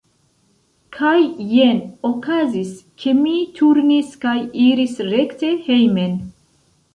Kaj jen okazis, ke mi turnis kaj iris rekte hejmen.